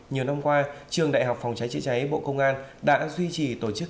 nhiều năm qua trường đại học phòng cháy chữa cháy bộ công an đã duy trì tổ chức